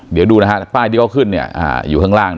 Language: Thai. เดี๋ยวดูนะฮะป้ายที่เขาขึ้นอยู่ข้างล่าง